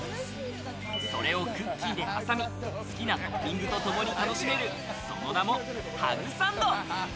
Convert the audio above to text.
それをクッキーで挟み、好きなトッピングとともに楽しめる、その名もハグサンド。